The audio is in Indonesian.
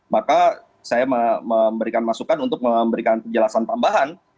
maka saya memberikan masukan untuk memberikan penjelasan tambahan